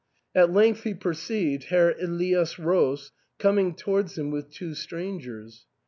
At length he perceived Herr Elias Roos coming towards him with two strangers.